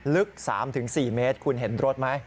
ลึก๓๔เมตรคุณเห็นรถไหม